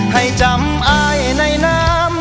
ให้จำอ้ายในน้ำ